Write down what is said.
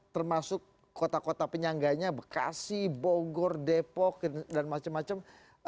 termasuk kota kota penyangganya bekasi bogor depok dan macam macam